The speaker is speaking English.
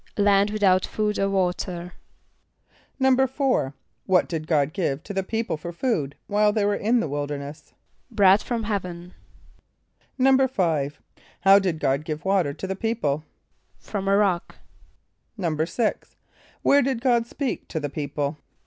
=A land without food or water.= =4.= What did God give to the people for food while they were in the wilderness? =Bread from heaven.= =5.= How did God give water to the people? =From a rock.= =6.= Where did God speak to the people?